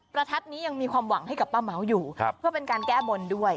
ประทัดนี้ยังมีความหวังให้กับป้าเม้าอยู่เพื่อเป็นการแก้บนด้วย